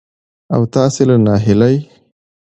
او تاسې له ناهيلۍ